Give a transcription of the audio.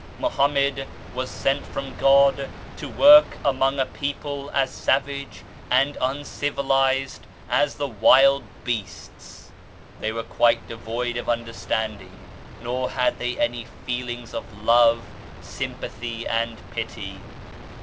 Mohammed was sent from God to work among a people as savage and uncivilized as the wild beasts. They were quite devoid of understanding, nor had they any feelings of love, sympathy and pity.